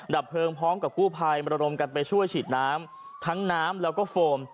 ดับเพลิงพร้อมกับกู้ภัยมรดมกันไปช่วยฉีดน้ำทั้งน้ำแล้วก็โฟม